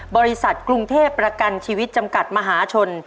บริษัทกรุงเทพประกันชีวิตจำกัดมหาชน